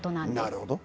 なるほど。